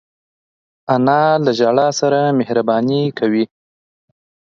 انا له ژړا سره مهربانې کوي